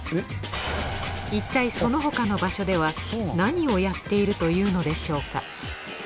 いったいその他の場所では何をやっているというのでしょうか？